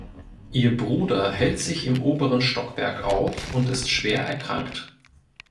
Ihr Bruder hält sich im oberen Stockwerk auf und ist schwer erkrankt.